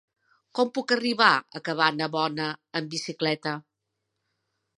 Com puc arribar a Cabanabona amb bicicleta?